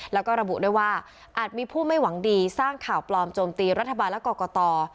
แล้วก็ระบุด้วยว่าอาจมีผู้ไม่หวังดีสร้างข่าวปลอมโจมตีรัฐบาลและกรกต